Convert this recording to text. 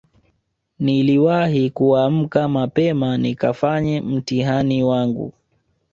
niliwahi kuamka mapema nikafanye mtihani wangu